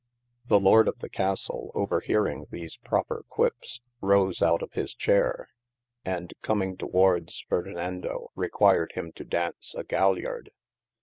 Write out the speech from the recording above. The Lord of [t]he Castle overhearing these proper quippes, rose out of his chaire, & comming towards Ferdinando required him to daunce a Gallyard.